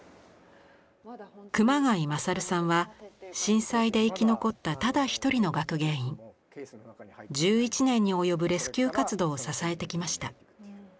熊谷賢さんは震災で生き残ったただ一人の学芸員１１年に及ぶレスキュー活動を支えてきました。